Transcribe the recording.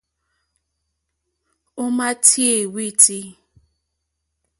Ò màá tíyɛ́ wítí.